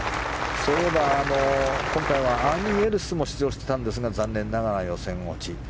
そういえば今回はアーニー・エルスも出場していたんですが残念ながら予選落ち。